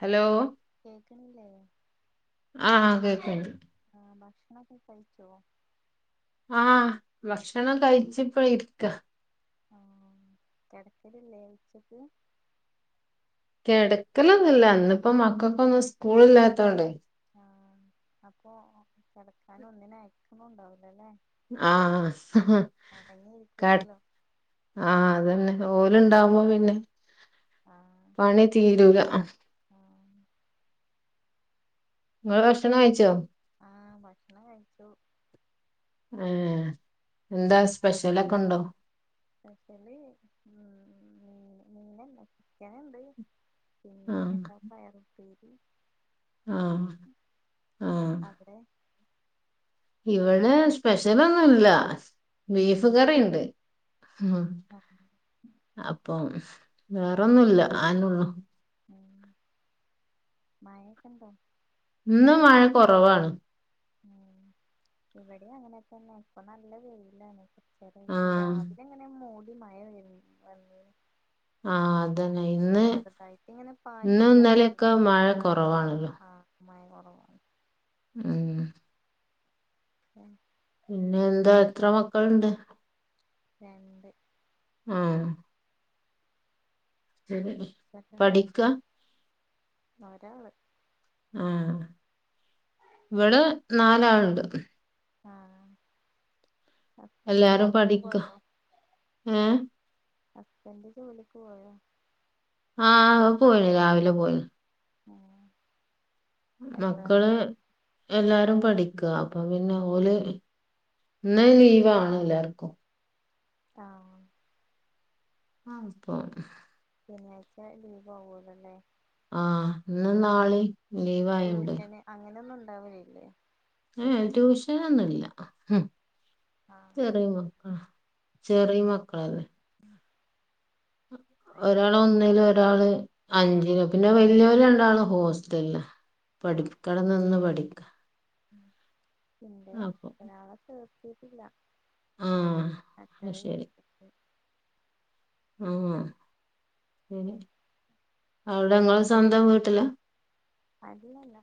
Hello കേക്കണില്ലെ ആഹ് കേക്കണുണ്ട് ആഹ് ഭക്ഷണവൊക്കെ കഴിച്ചോ ആഹ് ഭക്ഷണം കഴിച്ചിപ്പോ ഇരിക്കാ ആ കെടക്കലില്ലേ ഉച്ചക്ക് കെടക്കലൊന്നുല്ല ഇന്നിപ്പോ മക്കക്കൊന്നും സ്കൂളില്ലാത്തോണ്ടേ ആഹ് അപ്പൊ കിടക്കാൻ ഒന്നിനും അയക്കുണുണ്ടാവൂലല്ലേ ആഹ് കെട അടങ്ങിയിരിക്കൂലല്ലോ ആ അതെന്നെ ഓല്ണ്ടാവുമ്പോ പിന്നെ ആഹ് പണി തീരൂല അ ഇങ്ങള് ശരി. ഭക്ഷണം കഴിച്ചോ ആ ഭക്ഷണം കഴിച്ചു ആ എന്താ സ്പെഷ്യലൊക്കെ ഉണ്ടോ? സ്പെഷ്യല് ഉം മീനന്നെ ചിക്കനുണ്ട് പിന്നെ ആഹ് ഇപ്പ പയറുപ്പേരി അ ആഹ് ആഹ് അവിടെ ഇവിടെ സ്പെഷ്യലൊന്നും ഇല്ല ബീഫ് കറിയ്ണ്ട് ആ അപ്പോ വേറൊന്നുല്ല അഎന്നുള്ളൂ ഉം മഴ ഒക്കെണ്ടോ ഇന്ന് മഴ കൊറവാണ് ഉം ഇവിടെ അങ്ങനെത്തന്നെ ഇപ്പൊ നല്ല വെയിലാണ് ഉച്ച തൊട്ട് ആഹ് രാവിലെ അങ്ങനെ മൂടി മഴ വ വന്ന് ആ അതെന്നെ ഇന്ന് ചെറുതായിട്ട് ഇങ്ങനെ പാറ്റി ഇന്നും ഇന്നാലൊക്കെ മഴ കുറവാണല്ലോ മയ കുറവാണ് ഉം ഉം പിന്നെ എന്താ എത്ര മക്കള്ണ്ട്? രണ്ട് ആഹ് ശരി സെക്കന്റ്ത്താ പഠിക്ക ഒരാള് ആഹ് ഇവിടെ നാലാളുണ്ട് ആഹ് ഹസ്ബന്റ് എല്ലാരും ജോലിക്ക് പഠിക്ക പോയോ ഏഹ് ഹസ്ബന്റ് ജോലിക്ക് പോയോ ആഹ് അഅ് പോയിണ് രാവിലെ പോയിണ് ആ മക്കള് എല്ലാരും പഠിക്ക അപ്പൊ പിന്നെ ഓല് ഇന്ന് ലീവാണ് എല്ലാർക്കും ആഹ് അയ്പ്പം ശനിയാഴ്ച്ച ലീവ് ആവുല്ലല്ലേ ആഹ് ഇന്നും നാളെ ടൂഷന് അങ്ങനൊന്നും ഉണ്ടാവൂല്ലല്ലേ ഏഹ് ട്യൂഷനൊന്നുല്ല ആഹ് ചെറിയ മക്കളാ ചെറിയ മക്കളാന്ന് ഒരാള് ഒന്നിലും ഒരാള് അഞ്ചിലു പിന്നെ വല്യോരു രണ്ടാളു ഹോസ്റ്റല്ല പഠിക്കണ നിന്ന് പഠിക്ക പിന്റെ അപ്പൊ ഒരാള ചേർത്തീട്ടില്ല ആ [unintelligible] ആഹ് ശരി അവിടിങ്ങള് സ്വന്തം വീട്ടില അല്ലല്ല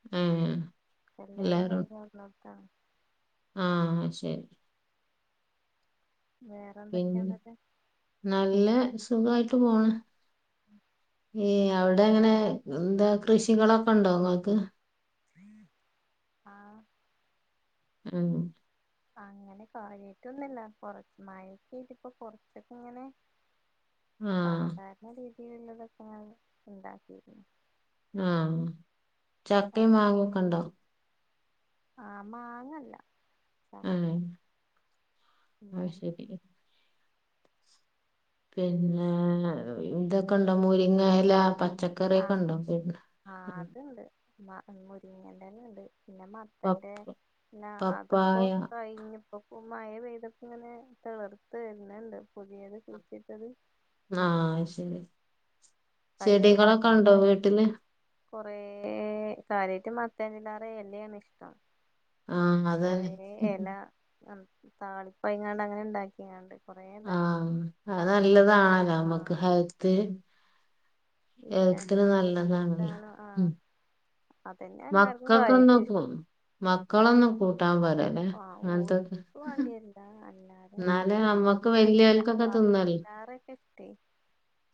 ഉം കല്യാണം കഴിഞ്ഞ് വന്നത്ത ആഹ് ശരി വേറെന്തെക്കയാ പിന്നെ കതെ നല്ല സുഖായിട്ട് പോണ് [inaudible] ഏഹ് അവിടെ അങ്ങനെ എന്താ കൃഷികളൊക്കെ ഒണ്ടോ ഇങ്ങക്ക് ആഹ് ഉം അങ്ങനെ കൊറഞ്ഞിട്ട് ഒന്നൂല്ല കൊറ മയക്കിട്ട് ഇപ്പൊ കൊറച്ചൊക്കെ ഇങ്ങനെ ആ സാധാരണ രീതിയിലുള്ളതൊക്കെ ഞാൻ ഇണ്ടാക്കിയിരുന്നു ആഹ് ചക്കേം മാങ്ങെക്കൊണ്ടൊ ആഹ് മാങ്ങല്ല ഏ ചക്ക എന്താ അത് ശരി പിന്നെ ഇതൊക്കൊണ്ടോ മുരിങ്ങെല പച്ചക്ക ആഹ് ആഹ് അത്ണ്ട് മ മുരിങ്ങെണ്ടെല ഇണ്ട് പിന്നെ മ പ ത്തന്റെ പിന്നെ അതിപ്പൊ പപ്പായ കഴിഞ്ഞപ്പം മഴ പെയ്തപ്പ ഇങ്ങനെ തളിർത്ത് വര്ന്നൊണ്ട് പുതിയത് കുഴിച്ചിട്ടത് ആഹ് ശരി കഴിഞ്ഞ ചെടികളൊക്കെ പ്രാവശ്യം ഒണ്ടോ ഉണ്ടാക്കിയ വീട്ടില് കൊറേ കാര്യായിട്ട് [unintelligible] എന്നെയാണ് ഇഷ്ടം ആഹ് കൊറേ അതന്നെ എല താളിപ്പയങ്ങാണ്ട് അങ്ങനെ ഇണ്ടാക്കിയാണ്ട് കൊറേ ഇണ്ടാക്കി ആഹ് അത് നല്ലതാണല്ല നമ്മക്ക് ആഹ് ഹൽത്ത് ഹെൽത്തിന് നല്ലതാണല്ലൊ ആഹ് അതന്നെ എല്ലാർക്കും കാര്യായിട്ട് മക്കക്കൊന്നും ഇഷ്ടം പു മക്കളൊന്നും കൂട്ടാൻ പറ ആഹ് ഓര് വേണ്ടിന്താ അല്ലാതെ എന്നാലേ ഈ നമ്മക്ക് മത്തന്റെ വലിയവർക്കൊക്കെ [unintelligible] തിന്നല്ലോ ചാറിക്കെ ഇഷ്ടെ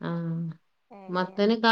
ആഹ് എലയ മത്തന് കാ